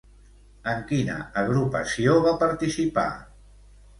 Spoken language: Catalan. En quina agrupació va participar?